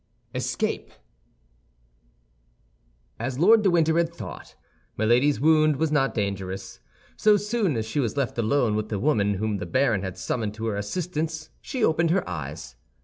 ESCAPE As Lord de Winter had thought, Milady's wound was not dangerous. So soon as she was left alone with the woman whom the baron had summoned to her assistance she opened her eyes.